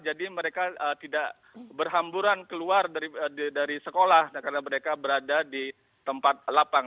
mereka tidak berhamburan keluar dari sekolah karena mereka berada di tempat lapang